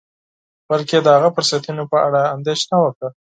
بلکې د هغه فرصتونو په اړه اندیښنه وکړه